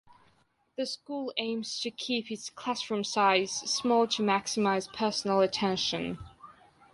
The school aims to keep its classroom size small to maximize personal attention.